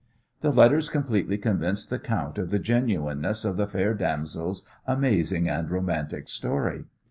The letters completely convinced the count of the genuineness of the fair damsel's amazing and romantic story.